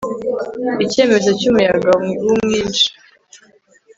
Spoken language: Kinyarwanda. Icyemezo cyumuyaga mwinshi